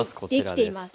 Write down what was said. できています。